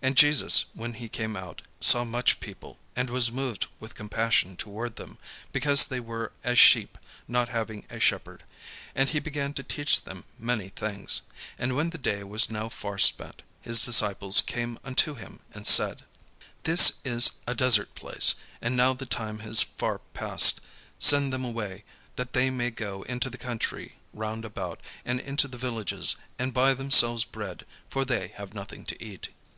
And Jesus, when he came out, saw much people, and was moved with compassion toward them, because they were as sheep not having a shepherd: and he began to teach them many things. And when the day was now far spent, his disciples came unto him, and said: "This is a desert place, and now the time is far passed: send them away, that they may go into the country round about, and into the villages, and buy themselves bread: for they have nothing to eat."